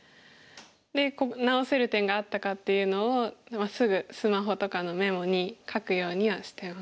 で直せる点があったかっていうのをすぐスマホとかのメモに書くようにはしてます。